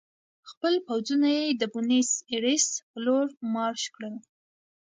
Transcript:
خپل پوځونه یې د بونیس ایرس په لور مارش کړل.